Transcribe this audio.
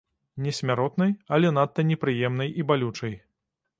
Не смяротнай, але надта непрыемнай і балючай.